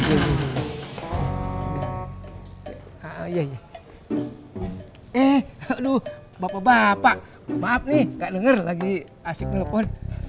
eh aduh bapak bapak maaf nih gak denger lagi asik nelfon